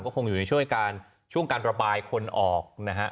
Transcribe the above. ก็คงอยู่ในช่วงการระบายคนออกนะฮะ